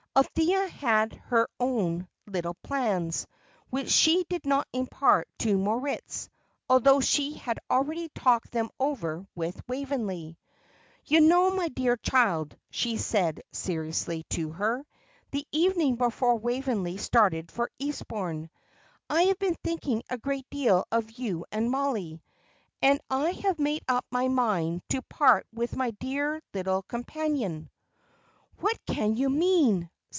Althea had her own little plans, which she did not impart to Moritz, although she had already talked them over with Waveney. "You know, my dear child," she had said, seriously, to her, the evening before Waveney started for Eastbourne. "I have been thinking a great deal of you and Mollie, and I have made up my mind to part with my dear little companion." "What can you mean?"